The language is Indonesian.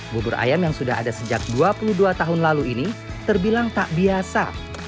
bubur ayam yang sudah ada sejak dua puluh dua tahun lalu ini terbilang tak biasa